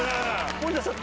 盛田さん